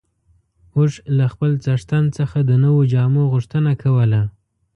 اوښ له خپل څښتن څخه د نويو جامو غوښتنه کوله.